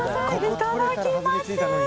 いただきます！